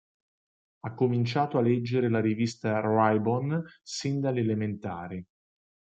Ha cominciato a leggere la rivista Ribon sin dalle elementari.